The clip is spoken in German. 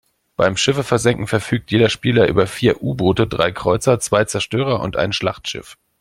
Beim Schiffe versenken verfügt jeder Spieler über vier U-Boote, drei Kreuzer, zwei Zerstörer und ein Schlachtschiff.